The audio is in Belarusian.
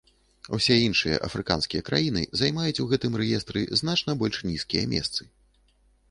Усе іншыя афрыканскія краіны займаюць у гэтым рэестры значна больш нізкія месцы.